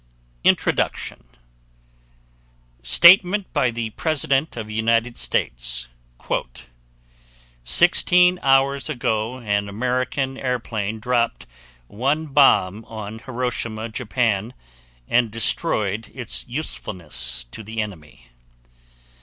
INTRODUCTION Statement by the President of the United States: "Sixteen hours ago an American airplane dropped one bomb on Hiroshima, Japan, and destroyed its usefulness to the enemy.